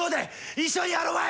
一緒にやろまい！